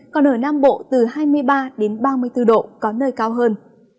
còn ở nam bộ từ hai mươi ba đến ba mươi bốn độ có nơi cao hơn